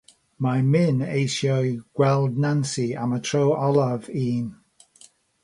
Mae Min eisiau gweld Nancy am y tro olaf un.